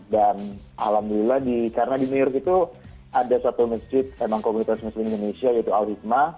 dan alhamdulillah karena di new york itu ada satu masjid komunitas muslim indonesia yaitu al hizma